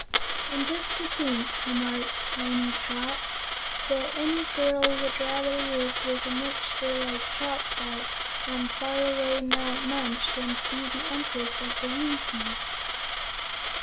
"And just to think," remarked Tiny Trot, "that any girl would rather live with a mixture like Chopfyt, on far away Mount Munch, than to be the Empress of the Winkies!"